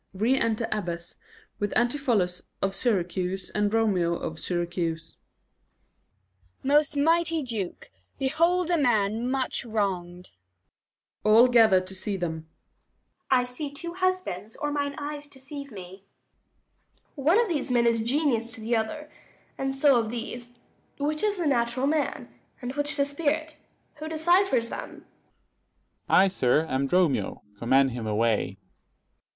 Re enter Abbess, with ANTIPHOLUS of Syracuse and DROMIO of Syracuse. Abb. Most mighty Duke, behold a man much wrong'd. [All gather to see them. Adr. I see two husbands, or mine eyes deceive me. 330 Duke. One of these men is Genius to the other; And so of these. Which is the natural man, And which the spirit? who deciphers them? Dro. S. I, sir, am Dromio: command him away.